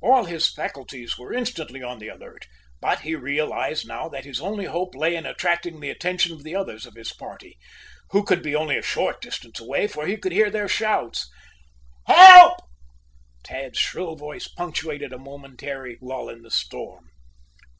All his faculties were instantly on the alert. But he realized now that his only hope lay in attracting the attention of the others of his party, who could be only a short distance away, for he could still hear their shouts. "Help!" Tad's shrill voice punctuated a momentary lull in the storm.